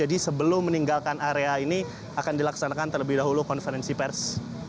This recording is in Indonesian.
jadi sebelum meninggalkan area ini akan dilaksanakan terlebih dahulu konferensi pers